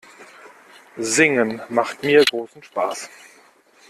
Singen macht mir großen Spaß.